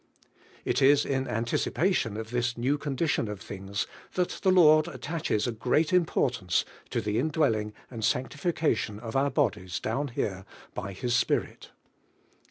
It is in anticipation of this new condi tion of things that the Lord attaches a great importance to the indwelling and sanctjfkation of our bodies, down here, by His Spirit.